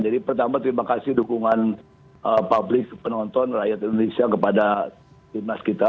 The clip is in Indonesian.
jadi pertama terima kasih dukungan publik penonton rakyat indonesia kepada timnas kita